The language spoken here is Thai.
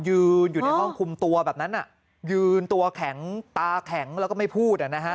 ยืนอยู่ในห้องคุมตัวแบบนั้นอ่ะยืนตัวแข็งตาแข็งแล้วก็ไม่พูดอ่ะนะฮะ